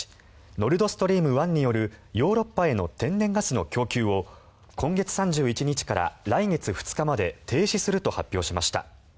ノルド・ストリーム１によるヨーロッパへの天然ガスの供給を今月３１日から来月２日まで停止すると発表しました。